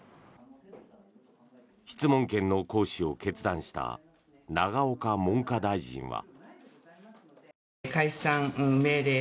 質問権の行使を決断した永岡文科大臣は。